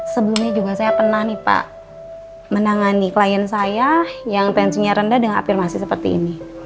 sebelumnya juga saya pernah nih pak menangani klien saya yang tensinya rendah dengan afirmasi seperti ini